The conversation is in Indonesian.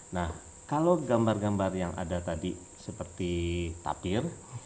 nah kalau gambar gambar yang ada tadi seperti tapir